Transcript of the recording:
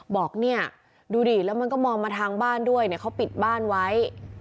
บอกเนี่ยดูดิแล้วมันก็มองมาทางบ้านด้วยเนี่ยเขาปิดบ้านไว้